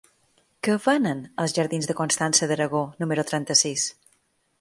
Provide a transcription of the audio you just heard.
Què venen als jardins de Constança d'Aragó número trenta-sis?